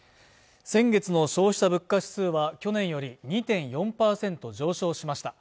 先月の消費者物価指数は去年より２．４％上昇しました